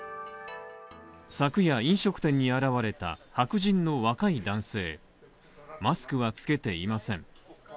昨夜、飲食店に現れた白人の若い男性マスクはつけていません。